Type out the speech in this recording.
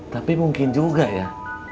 tapi mungkin juga ya